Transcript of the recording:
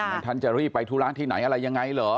อย่างนั้นท่านจะรีบไปทุล้างที่ไหนอะไรยังไงเหรอ